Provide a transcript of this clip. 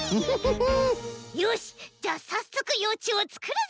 よしっじゃあさっそくようちゅうをつくるぞ！